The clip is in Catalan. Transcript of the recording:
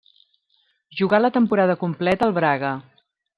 Jugà la temporada completa al Braga.